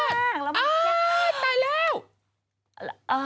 ตายแล้ว